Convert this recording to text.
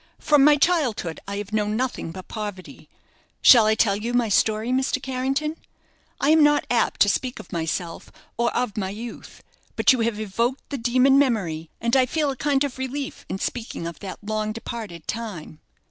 From my childhood I have known nothing but poverty. Shall I tell you my story, Mr. Carrington? I am not apt to speak of myself, or of my youth; but you have evoked the demon, Memory, and I feel a kind of relief in speaking of that long departed time."